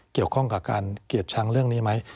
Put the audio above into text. เกี่ยวข้องกับการเกลียดชังเรื่องนี้ไหม